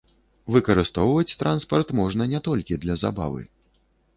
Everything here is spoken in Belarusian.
Выкарыстоўваць транспарт можна не толькі для забавы.